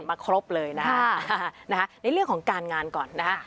ครบเลยนะฮะในเรื่องของการงานก่อนนะฮะ